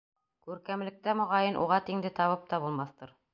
Күркәмлектә, моғайын, уға тиңде табып та булмаҫтыр.